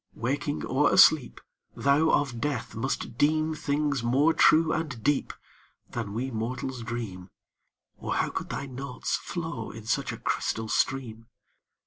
Waking or asleep, Thou of death must deem Things more true and deep Than we mortals dream, Or how could thy notes flow in such a crystal stream?